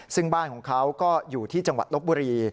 ซึ่งบ้านของเขาก็อยู่ที่จังหวัดลบบุรี